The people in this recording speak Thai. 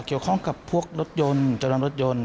เกี่ยวข้องกับพวกรถยนต์จำนำรถยนต์